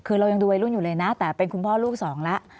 คือเรายังดูวัยรุ่นอยู่เลยนะแต่เป็นคุณพ่อลูกสองแล้ว